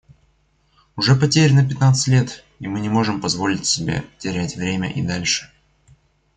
Уже потеряно пятнадцать лет, и мы не можем позволить себе терять время и дальше.